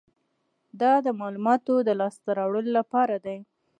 دا د معلوماتو د لاسته راوړلو لپاره دی.